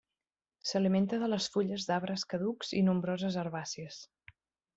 S'alimenta de les fulles d'arbres caducs i nombroses herbàcies.